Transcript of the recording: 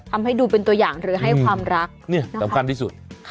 ทำให้ดูเป็นตัวอย่างหรือให้ความรักนี่สำคัญที่สุด